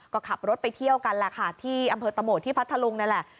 ก็ขับรถไปเที่ยวกันแหละค่ะที่อำเภอตะโหมดที่พัทธลุงนั่นแหละ